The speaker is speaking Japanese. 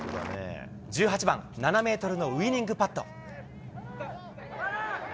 １８番、７メートルのウイニングパット。